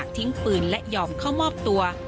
ทิ้งปืนและยอมเข้ามอบตัว